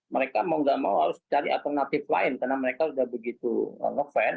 mereka mau gak mau harus cari alternatif lain karena mereka sudah begitu ngefan